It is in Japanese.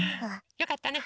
よかったね。